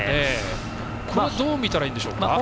どう見たらいいんでしょうか。